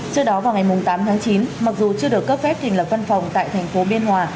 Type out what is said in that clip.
trước đó vào ngày tám tháng chín mặc dù chưa được cấp phép thành lập văn phòng tại thành phố biên hòa